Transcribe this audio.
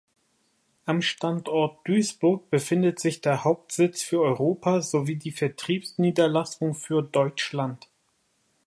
Am Standort Duisburg befindet sich der Hauptsitz für Europa sowie die Vertriebsniederlassung für Deutschland.